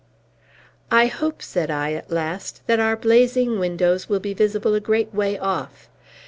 "I hope," said I, at last, "that our blazing windows will be visible a great way off.